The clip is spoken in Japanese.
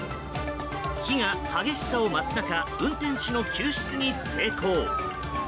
火が激しさを増す中運転手の救出に成功。